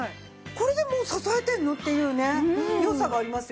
これでもう支えてるの？っていう良さがありますよね。